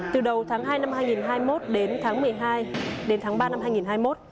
từ đầu tháng hai năm hai nghìn hai mươi một đến tháng một mươi hai đến tháng ba năm hai nghìn hai mươi một